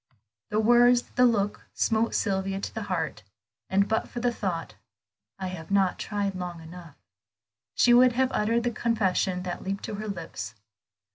The words, the look, smote Sylvia to the heart, and but for the thought, "I have not tried long enough," she would have uttered the confession that leaped to her lips.